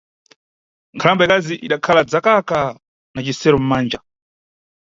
Nkhalamba ikazi idakhala dzakaka na cisero mʼmanja.